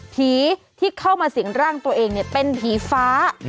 ที่เข้ามาสิงร่างตัวเองเป็นผีฟ้า